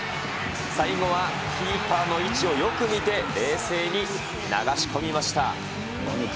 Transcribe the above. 最後はキーパーの位置をよく見て、冷静に流し込みました。